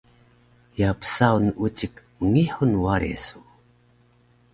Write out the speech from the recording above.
Ye psaun ucik mngihur ware su?